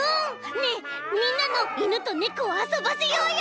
ねえみんなのいぬとねこをあそばせようよ。